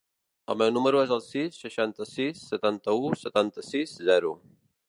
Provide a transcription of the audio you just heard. El meu número es el sis, seixanta-sis, setanta-u, setanta-sis, zero.